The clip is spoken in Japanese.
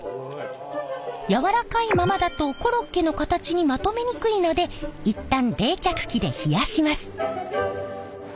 やわらかいままだとコロッケの形にまとめにくいので一旦冷却機で冷やします。